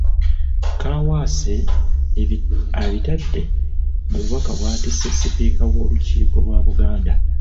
Kaawaase abitadde mu bubaka bw’atisse Sipiika w’Olukiiko lwa Buganda.